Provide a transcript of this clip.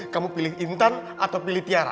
kamu pilih intan atau pilih tiara